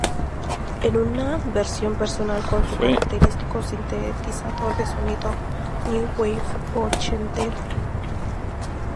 En una versión personal con su característico sintetizador de sonido New Wave ochentero.